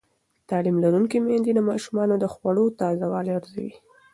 تعلیم لرونکې میندې د ماشومانو د خوړو تازه والی ارزوي.